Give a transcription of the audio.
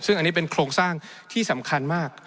ซึ่งอันนี้เป็นโครงสร้างที่สำคัญมาก